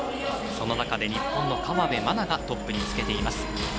その中で日本の河辺愛菜がトップにつけています。